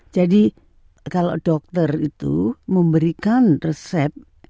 jadi kalau dokter itu memberikan resep